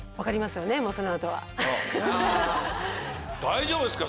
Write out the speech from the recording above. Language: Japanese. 大丈夫ですか？